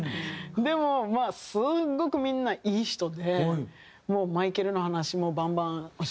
でもまあすごくみんないい人でもうマイケルの話もバンバン教えてくれたり。